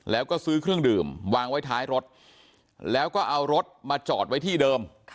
แล้วก็ซื้อเครื่องดื่มวางไว้ท้ายรถแล้วก็เอารถมาจอดไว้ที่เดิม